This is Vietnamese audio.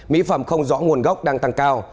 mỹ phẩm không rõ nguồn gốc đang tăng cao